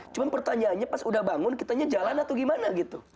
cuma pertanyaannya pas sudah bangun kita nyejalan atau gimana gitu